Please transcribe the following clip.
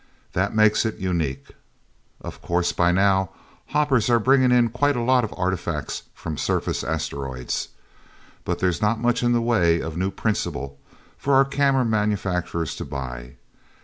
That makes it unique. Of course by now, hoppers are bringing in quite a lot of artifacts from surface asteroids. But there's not much in the way of new principle for our camera manufacturers to buy.